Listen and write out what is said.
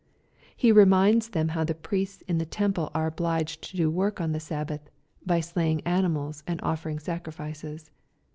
— He reminds them how the priests in the temple are obliged to do work on the Sabbath, by sla3ring ani mals and offering sacrifices.